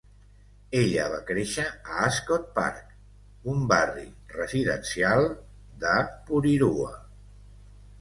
Ella va créixer a Ascot Park, un barri residencial de Porirua.